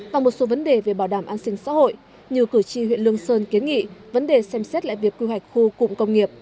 và một số vấn đề về bảo đảm an sinh xã hội như cử tri huyện lương sơn kiến nghị vấn đề xem xét lại việc quy hoạch khu cụm công nghiệp